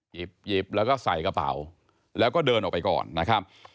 หยิบแล้วก็ใส่กระเป๋าแล้วก็เดินออกไปก่อนนะครับ